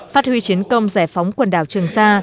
phát huy chiến công giải phóng quần đảo trường sa